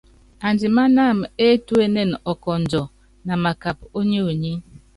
Andimanámɛ étuénene ɔkɔndjɔ na makap ó nyonyi.